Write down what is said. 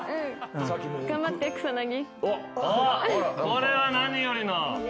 これは何よりの。